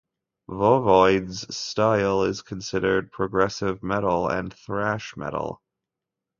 Voivod's style is considered progressive metal and thrash metal.